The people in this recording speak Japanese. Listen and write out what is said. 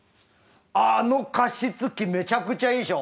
あああの加湿器めちゃくちゃいいでしょ！